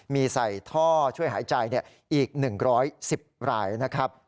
มีใส่ท่อช่วยหายใจอีก๑๑๐รายนะครับ